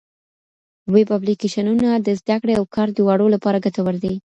ویب اپلېکېشنونه د زده کړې او کار دواړو لپاره ګټور دي.